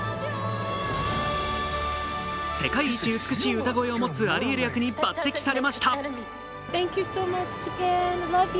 世界一美しい歌声を持つアリエル役に抜てきされました。